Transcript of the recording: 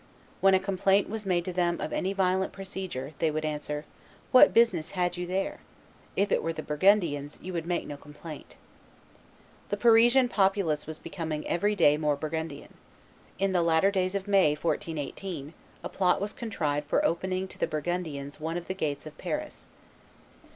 When a complaint was made to them of any violent procedure, they would answer, "What business had you there? If it were the Burgundians, you would make no complaint." The Parisian population was becoming every day more Burgundian. In the latter days of May. 1418, a plot was contrived for opening to the Burgundians one of the gates of Paris.